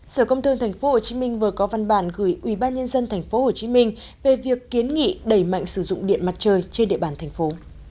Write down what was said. sở công thương tp hcm vừa có văn bản gửi ubnd tp hcm về việc kiến nghị đẩy mạnh sử dụng điện mặt trời trên địa bàn thành phố